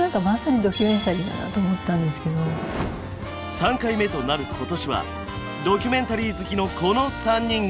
３回目となる今年はドキュメンタリー好きのこの３人が。